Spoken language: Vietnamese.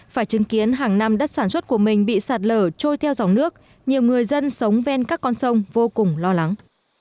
phải chứng kiến hàng năm đất sản xuất của mình bị sạt lở trôi theo dòng nước nhiều người dân sống ven các con sông vô cùng lo lắng